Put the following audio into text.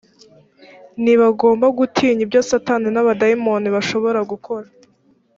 ntibagomba gutinya ibyo satani n’abadayimoni bashobora gukora